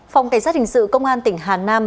phòng cảnh sát hình sự công an tỉnh hà nam